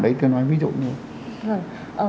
đấy kêu nói ví dụ như thế